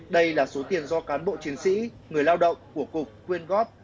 đây là số tiền do cán bộ chiến sĩ người lao động của cục quyên góp